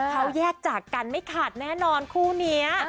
เขาแยกจากกันไม่ขาดแน่นอนคู่นี้